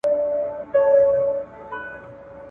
زه به اوږده موده د ښوونځي کتابونه مطالعه کړم!؟